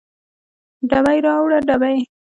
ډبې راوړه ډبې